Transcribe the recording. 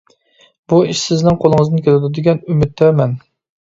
بۇ ئىش سىزنىڭ قولىڭىزدىن كېلىدۇ، دېگەن ئۈمىدتە مەن.